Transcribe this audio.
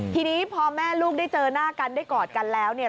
ทีนี้พอแม่ลูกได้เจอหน้ากันได้กอดกันแล้วเนี่ย